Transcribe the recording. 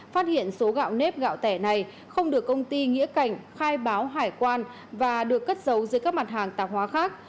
phát hiện số gạo nếp gạo tẻ này không được công ty nghĩa cảnh khai báo hải quan và được cất giấu dưới các mặt hàng tạp hóa khác